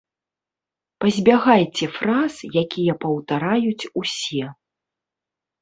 Пазбягайце фраз, якія паўтараюць усе.